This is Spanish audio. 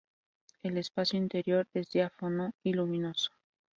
El espacio interior es diáfano y luminoso.